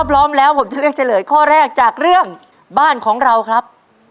พร้อมแล้วผมจะเลือกเฉลยข้อแรกจากเรื่องบ้านของเราครับ